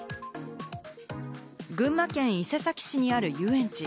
群馬県伊勢崎市にある遊園地。